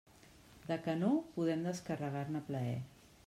De canó, podem descarregar-ne a plaer.